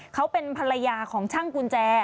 เขาเป็นภรรยาของช่างกุญแจ